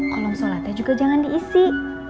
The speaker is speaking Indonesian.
kolom sholatnya juga jangan diisi